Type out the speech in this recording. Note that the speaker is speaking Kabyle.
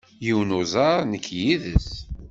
Yiwen n uẓar nekk yid-s.